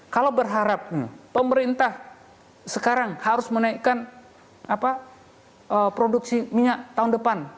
kalau berharap pemerintah sekarang harus menaikkan produksi minyak tahun depan